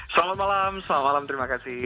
selamat malam selamat malam terima kasih